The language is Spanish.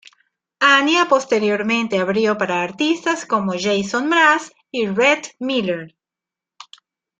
Anya posteriormente abrió para artistas como Jason Mraz y Rhett Miller.